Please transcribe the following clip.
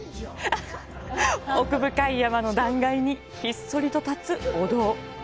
奥深い山の断崖にひっそりと建つお堂。